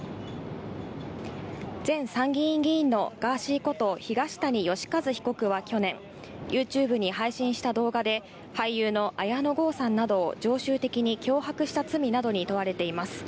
前参議院議員のガーシーこと、東谷義和被告は去年、ＹｏｕＴｕｂｅに配信した動画で、俳優の綾野剛さんなどを常習的に脅迫した罪などに問われています。